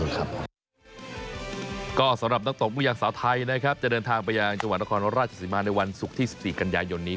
ก็สำหรับนักตบผู้ยางสาวไทยนะครับจะเดินทางไปยังจังหวัดนครราชสีมาในวันศุกร์ที่๑๔กันยายนนี้